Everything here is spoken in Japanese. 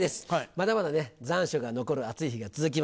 まだまだね残暑が残る暑い日が続きます。